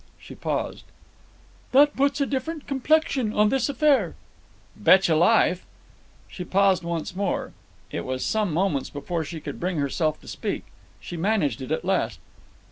She paused. "That puts a different complexion on this affair." "Betcha life!" She paused once more. It was some moments before she could bring herself to speak. She managed it at last.